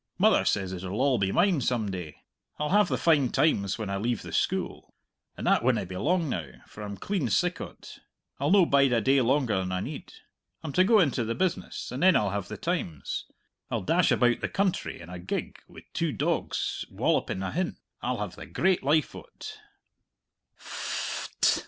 Mother says it'll all be mine some day. I'll have the fine times when I leave the schule and that winna be long now, for I'm clean sick o't; I'll no bide a day longer than I need! I'm to go into the business, and then I'll have the times. I'll dash about the country in a gig wi' two dogs wallopping ahin'. I'll have the great life o't."